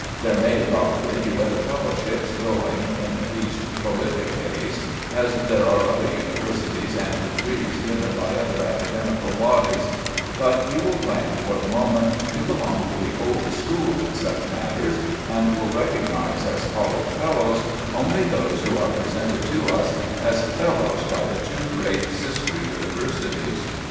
There may, probably, be other fellowships going in these prolific days, as there are other universities, and degrees given by other academical bodies; but we will claim, for the moment, to belong to the old school in such matters, and will recognize as college fellows only those who are presented to us as fellows by the two great sister universities.